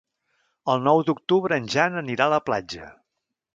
El nou d'octubre en Jan anirà a la platja.